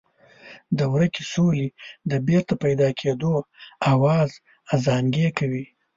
د ورکې سولې د بېرته پیدا کېدو آواز ازانګې کوي.